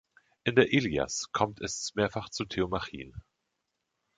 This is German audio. In der „Ilias“ kommt es mehrfach zu Theomachien.